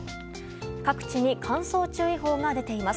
各地に乾燥注意報が出ています。